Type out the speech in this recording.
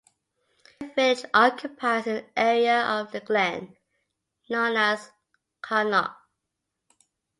The village occupies an area of the glen known as Carnoch.